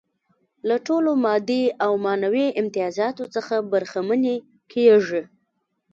له ټولو مادي او معنوي امتیازاتو څخه برخمنې کيږي.